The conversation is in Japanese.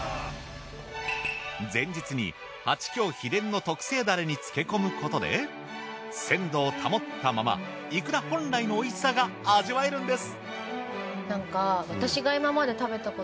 前日にはちきょう秘伝の特製だれに漬け込むことで鮮度を保ったままいくら本来のおいしさが味わえるんです！